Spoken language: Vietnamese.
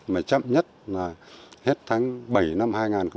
mà chậm nhất là hết tháng bảy năm hai nghìn một mươi tám